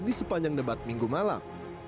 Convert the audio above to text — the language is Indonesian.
di sepanjang debat minggu malam